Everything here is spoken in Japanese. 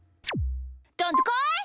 どんとこい！